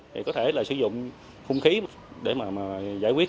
thì có thể là sử dụng hung khí để mà giải quyết